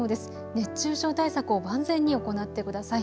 熱中症対策を万全に行ってください。